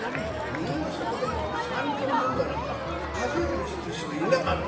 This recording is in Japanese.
そこでもって３升飲んだなんか数える人しかいなかった。